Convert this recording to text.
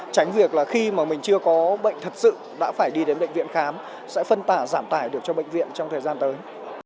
tránh việc là khi mà mình chưa có bệnh thật sự đã phải đi đến bệnh viện khám sẽ phân tả giảm tải được cho bệnh viện trong thời gian tới